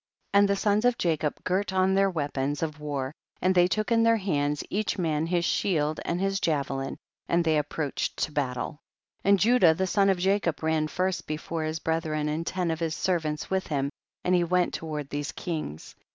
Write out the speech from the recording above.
And the sons of Jacob girt on their weapons of war, and they took in their hands each man his shield and his javelin, and they approached to battle, 26. And Judah, the son of Jacob, ran first before his brethren, and ten of his servants with him, and he went toward these kings.